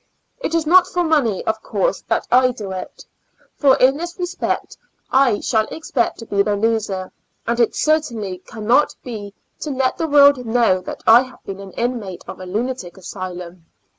It is not for money, of course, that I do it, for in this respect I shall expect to be the loser ; and it certainly cannot be to let the world know that I have been an inmate of a lunatic asylum.